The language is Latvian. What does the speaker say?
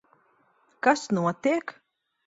Kas notiek?